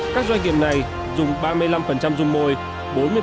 các doanh nghiệp này dùng ba mươi năm dung môi